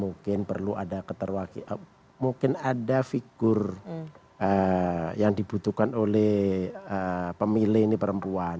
mungkin perlu ada keterwakilan mungkin ada figur yang dibutuhkan oleh pemilih ini perempuan